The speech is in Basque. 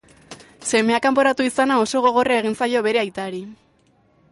Semea kanporatu izana oso gogorra egin zaio bere aitari.